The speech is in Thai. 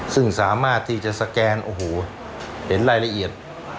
ซึ่งสามารถที่จะสแกนโอ้โหเห็นรายละเอียด